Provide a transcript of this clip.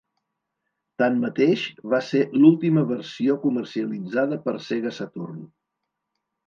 Tanmateix, va ser l'última versió comercialitzada per Sega Saturn.